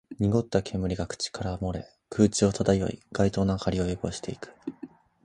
濁った煙が口から漏れ、空中を漂い、街灯の明かりを汚していく